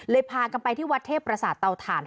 เลยพากลับไปที่วัดเทพภาษาเต่าฐาน